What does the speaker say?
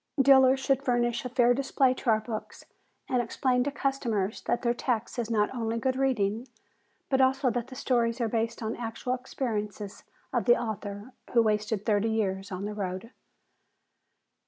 Dealers should furnish a fair display to our books and explain to customers that their text is not only good reading but also that the stories are based on actual experiences of the author who wasted thirty years on the Road.